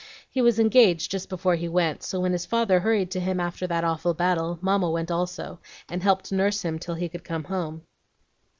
He was engaged just before he went; so when his father hurried to him after that awful battle, Mamma went also, and helped nurse him till he could come home.